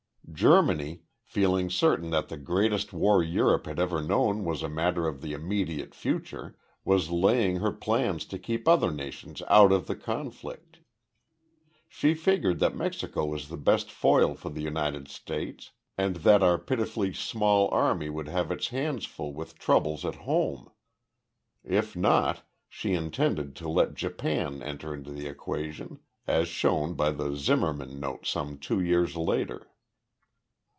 Germany, feeling certain that the greatest war Europe had ever known was a matter of the immediate future, was laying her plans to keep other nations out of the conflict. She figured that Mexico was the best foil for the United States and that our pitifully small army would have its hands full with troubles at home. If not, she intended to let Japan enter into the equation as shown by the Zimmerman note some two years later.